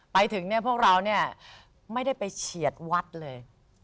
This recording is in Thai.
ไปถึงเนี่ยพวกเราเนี่ยไม่ได้ไปเฉียดวัดเลย